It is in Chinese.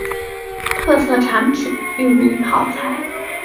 特色产品裕民泡菜。